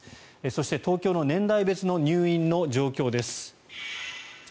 そして、東京の年代別の入院の状況です。